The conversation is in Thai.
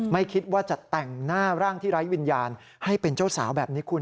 ไม่คิดว่าจะแต่งหน้าร่างที่ไร้วิญญาณให้เป็นเจ้าสาวแบบนี้คุณ